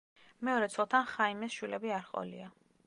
მეორე ცოლთან ხაიმეს შვილები არ ჰყოლია.